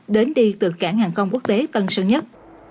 đến đi từ cảng hàng công quốc tế tân sân nhất